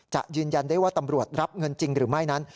ยืนยันได้ว่าตำรวจรับเงินจริงหรือไม่นั้น